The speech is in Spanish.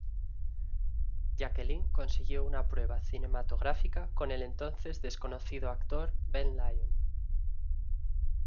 Jacqueline consiguió una prueba cinematográfica con el entonces desconocido actor Ben Lyon.